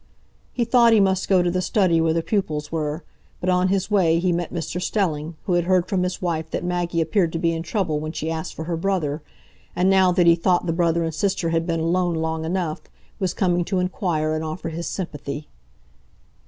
He thought he must go to the study where the pupils were; but on his way he met Mr Stelling, who had heard from his wife that Maggie appeared to be in trouble when she asked for her brother, and now that he thought the brother and sister had been alone long enough, was coming to inquire and offer his sympathy.